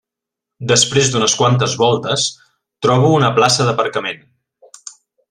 Després d'unes quantes voltes trobo una plaça d'aparcament.